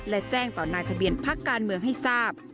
และแจ้งต่อนายทะเบียนพักการเมืองให้ทราบ